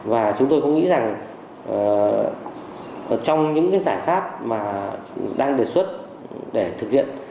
và chúng tôi cũng nghĩ rằng trong những giải pháp mà đang đề xuất để thực hiện